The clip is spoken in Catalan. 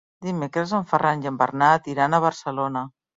Dimecres en Ferran i en Bernat iran a Barcelona.